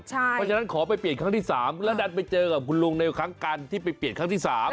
เพราะฉะนั้นขอไปเปลี่ยนครั้งที่๓แล้วดันไปเจอกับคุณลุงในครั้งการที่ไปเปลี่ยนครั้งที่๓